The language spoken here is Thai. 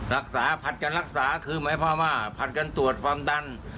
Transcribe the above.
รักษาผัดกันรักษาคือหมายความว่าผัดกันตรวจความดัน